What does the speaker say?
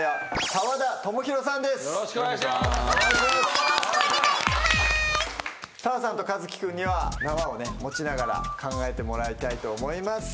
澤さんとカズキ君には縄を持ちながら考えてもらいたいと思います。